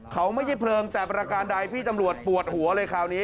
เขาไม่ใช่เพลิงแต่ประการใดพี่ตำรวจปวดหัวเลยคราวนี้